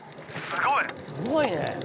すごいね。